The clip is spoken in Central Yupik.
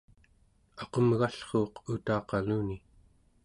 aqumgallruuq utaqaluni